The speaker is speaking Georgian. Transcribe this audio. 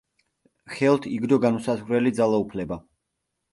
ხელთ იგდო განუსაზღვრელი ძალაუფლება.